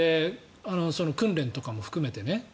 訓練とかも含めて。